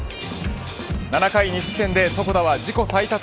７回２失点で床田は自己最多